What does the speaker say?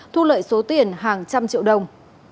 thu lợi số tiền hàng trăm triệu đồng